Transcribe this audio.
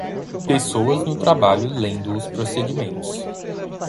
Pessoas no trabalho lendo os procedimentos.